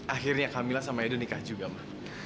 akhirnya kamila sama edo nikah juga ma